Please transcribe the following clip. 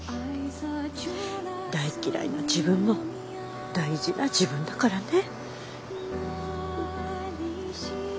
大嫌いな自分も大事な自分だからね。